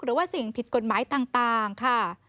หรือว่าสิ่งผิดกฎหมายต่างค่ะ